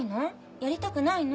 やりたくないの？